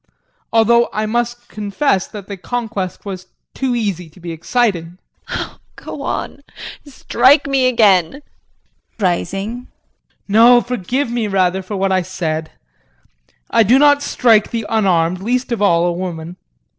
Although I must confess that the conquest was too easy to be exciting. JULIE. Go on, strike me again JEAN [Rising]. No, forgive me, rather, for what I said. I do not strike the unarmed, least of all, a woman.